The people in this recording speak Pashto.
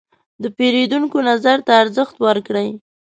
د پیرودونکو نظر ته ارزښت ورکړئ.